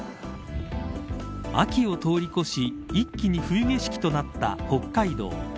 秋を通り越し一気に冬景色となった北海道。